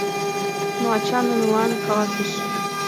Но ача нунылан каласыш: